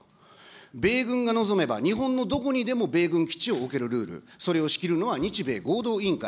米軍が望めば、日本のどこにでも米軍基地を置けるルール、それを仕切るのは日米合同委員会。